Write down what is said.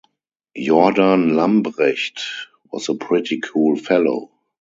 Jordan Lambrecht was a pretty cool fellow.